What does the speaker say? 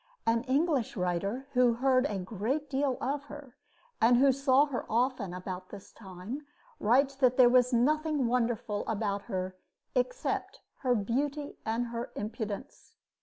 An English writer who heard a great deal of her and who saw her often about this time writes that there was nothing wonderful about her except "her beauty and her impudence."